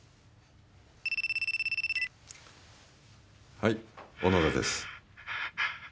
はい小野田です。